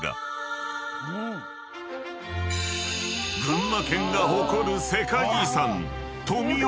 ［群馬県が誇る世界遺産］